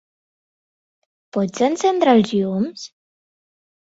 Pots encendre els llums?